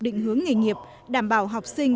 định hướng nghề nghiệp đảm bảo học sinh